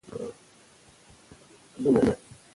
مګر دویمه نظریه، چې وایي: